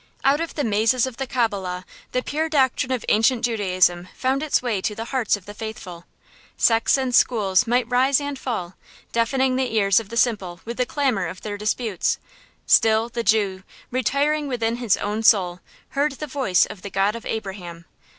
Out of the mazes of the Cabala the pure doctrine of ancient Judaism found its way to the hearts of the faithful. Sects and schools might rise and fall, deafening the ears of the simple with the clamor of their disputes, still the Jew, retiring within his own soul, heard the voice of the God of Abraham.